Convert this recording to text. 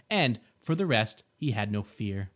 And, for the rest, he had no fear.